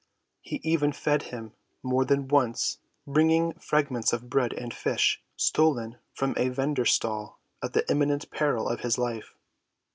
He even fed him, more than once bringing fragments of bread and fish, stolen from a vender's stall at the imminent peril of his life.